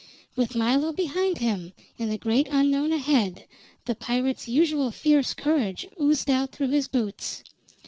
With Milo behind him, and the great unknown ahead, the pirate's usual fierce courage oozed out through his boots.